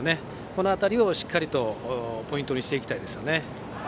この辺りをしっかりとポイントにしていきたいですね。